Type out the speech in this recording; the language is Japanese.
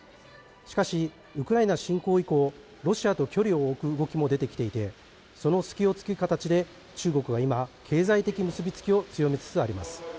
しかし、ウクライナ侵攻以降ロシアと距離を置く動きも出てきていてその隙を突く形で中国が今、経済的結びつきを強めつつあります。